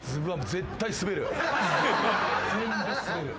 全部スベる。